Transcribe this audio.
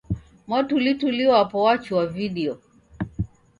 Mwatulituli wapo wachua vidio